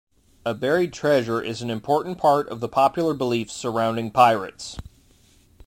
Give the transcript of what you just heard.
A buried treasure is an important part of the popular beliefs surrounding pirates.